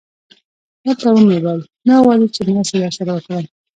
ورته ومې ویل: نه غواړئ چې مرسته در سره وکړم؟